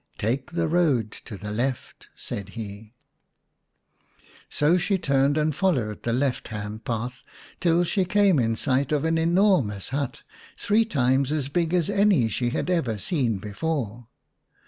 " Take the road to the left," said he. 71 The Three Little Eggs VH So she turned and followed the left hand path till she came in sight of an enormous hut, three times as big as any she had ever seen before.